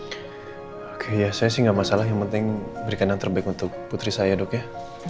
oke ya saya sih nggak masalah yang penting berikan yang terbaik untuk putri saya dok ya